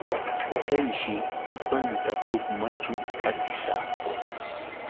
Chayshi qipanta huk machu atisa.